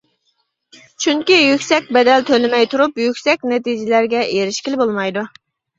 چۈنكى يۈكسەك بەدەل تۆلىمەي تۇرۇپ يۈكسەك نەتىجىلەرگە ئېرىشكىلى بولمايدۇ.